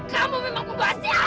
kamu memang bumbu asial